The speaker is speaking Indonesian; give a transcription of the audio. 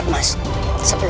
kau buat apa ya